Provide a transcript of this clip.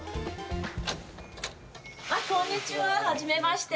こんにちは、はじめまして。